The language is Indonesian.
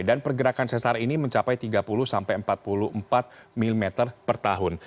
dan pergerakan sesar ini mencapai tiga puluh empat puluh empat mm per tahun